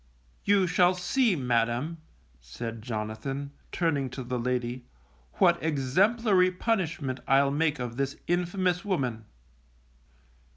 You shall see, Madam, said Jonathan, turning to the lady, _what exemplary punishment I'll make of this infamous woman.